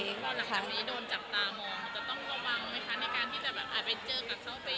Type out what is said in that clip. ทุกคนหลังจากนี้โดนจับตามองจะต้องระวังไหมคะในการที่จะแบบอาเวนเจอกักเขาไปเที่ยวกักเขาหรืออะไรอย่างนี้หรือว่าปกติเลย